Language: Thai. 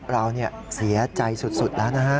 เราเสียใจสุดแล้วนะฮะ